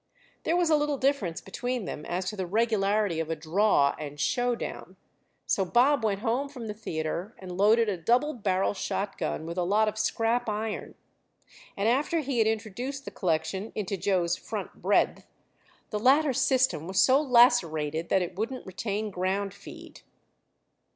There was a little difference between them as to the regularity of a "draw" and "show down," so Bob went home from the theater and loaded a double barrel shot gun with a lot of scrap iron, and, after he had introduced the collection into Joe's front breadth, the latter's system was so lacerated that it wouldn't retain ground feed.